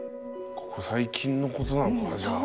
ここ最近のことなのかじゃあ。